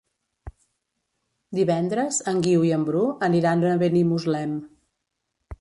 Divendres en Guiu i en Bru aniran a Benimuslem.